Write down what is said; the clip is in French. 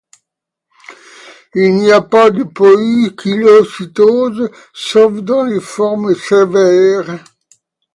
Il n'y a pas de poïkilocytose sauf dans les formes sévères.